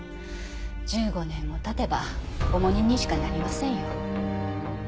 １５年も経てば重荷にしかなりませんよ。